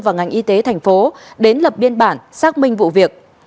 và ngành y tế thành phố đến lập biên bản xác minh vụ việc